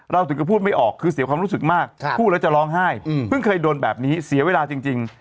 ถึงก็พูดไม่ออกคือเสียความรู้สึกมากพูดแล้วจะร้องไห้เพิ่งเคยโดนแบบนี้เสียเวลาจริง